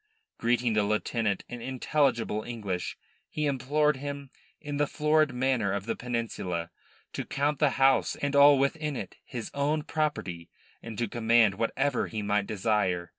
Greeting the lieutenant in intelligible English, he implored him, in the florid manner of the Peninsula, to count the house and all within it his own property, and to command whatever he might desire.